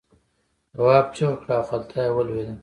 تواب چیغه کړه او خلته یې ولوېده.